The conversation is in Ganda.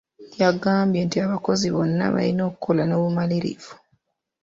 Yagambye nti abakozi bonna balina okukola n'obumalirivu.